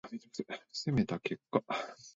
攻めた結果